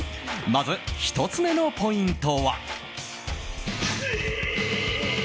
まず１つ目のポイントは。